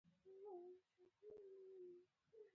انیل کمبلې د هند یو پياوړی بالر وو.